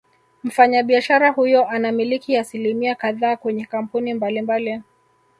Mfanyabiashara huyo anamiliki asilimia kadhaa kwenye kampuni mbali mbali